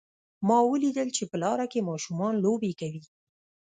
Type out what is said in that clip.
ما ولیدل چې په لاره کې ماشومان لوبې کوي